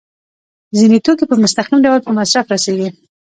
ځینې توکي په مستقیم ډول په مصرف رسیږي.